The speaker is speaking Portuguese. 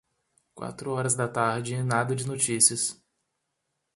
Quatro horas da tarde e nada de notícias.